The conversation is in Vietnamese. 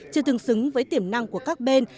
chưa thường xứng với tiềm năng của các bên